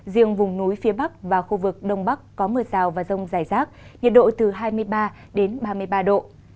riêng vùng núi phía bắc và khu vực đông bắc có mưa rào và rông dài rác nhiệt độ từ hai mươi ba đến ba mươi ba độ